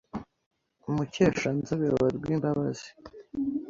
Mukeshanzobe wa Rwimbabazi